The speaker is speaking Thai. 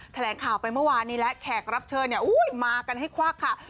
แถลงข่าวไปเมื่อวานนี้และแขกรับเชิญมากันให้ควักค่ะ